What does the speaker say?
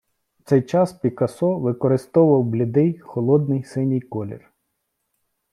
В цей час Пікассо використовував блідий, холодний синій колір.